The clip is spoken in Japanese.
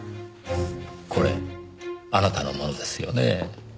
これあなたのものですよね？